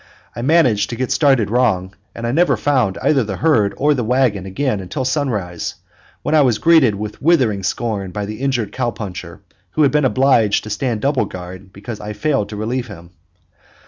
I managed to get started wrong, and I never found either the herd or the wagon again until sunrise, when I was greeted with withering scorn by the injured cow puncher, who had been obliged to stand double guard because I failed to relieve him.